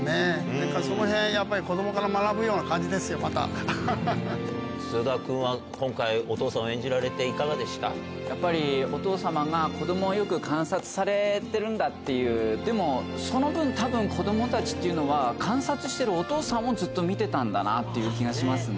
だからそのへん、やっぱり、子どもから学ぶような感じですよ、津田君は今回、お父さんを演やっぱりお父様が、子どもをよく観察されてるんだっていう、でも、その分、たぶん、子どもたちっていうのは、観察しているお父さんをずっと見てたんだなという気がしますね。